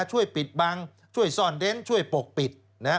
ช่วยปิดบังช่วยซ่อนเล้นช่วยปกปิด